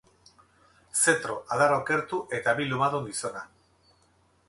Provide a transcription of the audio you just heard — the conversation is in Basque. Zetro, adar okertu eta bi lumadun gizona.